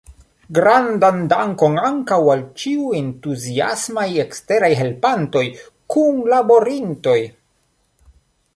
Grandan dankon ankaŭ al ĉiuj entuziasmaj eksteraj helpantoj, kunlaborintoj!